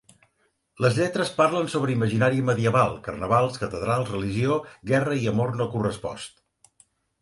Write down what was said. Les lletres parlen sobre imaginari medieval: carnavals, catedrals, religió, guerra i amor no correspost.